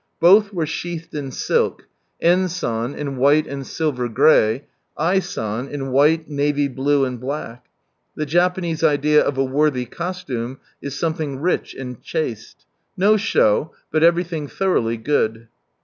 Both were sheathed in silk. N. San in white and silver grey. I. San ia | On ■ith the Me i6i white, navy blue and black. The Japanese idea of a worthy costume is something rich and chaste. No show, but everything thoroughly good.